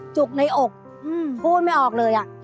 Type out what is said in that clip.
จุกในอกพูดไม่ออกเลย